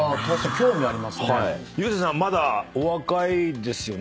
竜星さんまだお若いですよね。